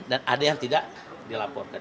dan ada yang tidak dilaporkan